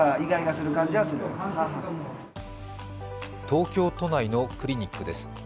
東京都内のクリニックです。